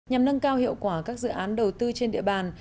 nhằm nâng cao hiệu quả các dự án đầu tư trên địa bàn